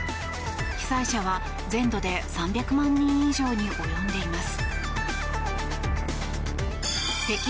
被災者は全土で３００万人以上に及んでいます。